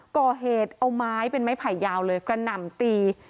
ก่อเหตุเอาไม้เป็นไม้ไผ่ยาวเลยกระหน่ำตี